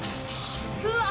うわ！